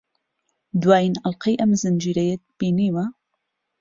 دوایین ئەڵقەی ئەم زنجیرەیەت بینیوە؟